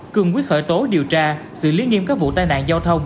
cường quyết khởi tố điều tra xử lý nghiêm các vụ tai nạn giao thông